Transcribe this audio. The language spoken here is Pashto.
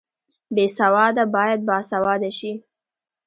بې سواده باید باسواده شي